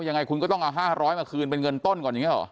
ยังไงคุณก็ต้องเอา๕๐๐มาคืนเป็นเงินต้นก่อนอย่างนี้หรอ